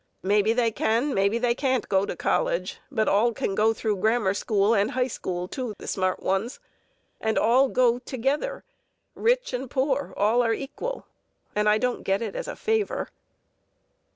Maybe they can, maybe they can't go to college, but all can go through grammar school, and high school, too, the smart ones. And all go together! Rich and poor, all are equal, and I don't get it as a favor."